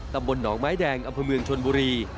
ตำบลหนองไม้แดงอัมพมืองชนบุรี